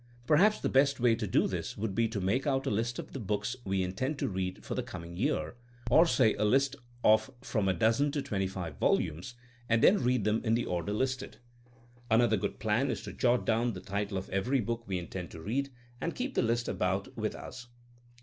Perhaps the best way to do this would be to make out a list of the books we intend to read for the coming year, or say a list of from a dozen to twenty five volumes, and then read them in the order listed. Another good plan is to jot down the title of every book we intend to read, and keep the list about with us.